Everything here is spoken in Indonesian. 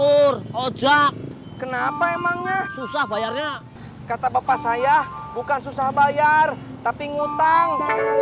bur ojek kenapa emangnya susah bayarnya kata bapak saya bukan susah bayar tapi ngutang